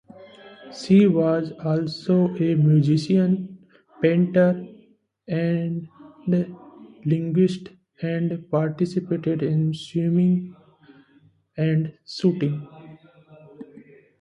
She was also a musician, painter, and linguist, and participated in swimming and shooting.